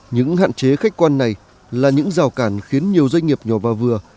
những hạn chế khách quan này là những rào cản khiến nhiều doanh nghiệp nhỏ và vừa